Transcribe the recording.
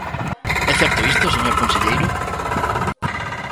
¿É certo isto, señor conselleiro?